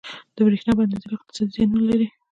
• د برېښنا بندیدل اقتصادي زیانونه لري.